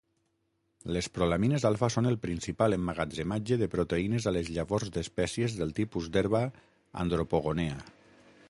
Les prolamines alfa són el principal emmagatzematge de proteïnes a les llavors d'espècies del tipus d'herba Andropogonea.